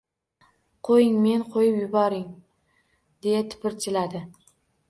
Qo'ying meni... qo'yib yuboring... —deya tipirchilardi.